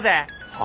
は？